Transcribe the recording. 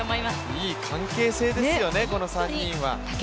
いい関係性ですよね、この３人は。